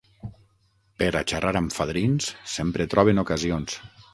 Per a xarrar amb fadrins sempre troben ocasions.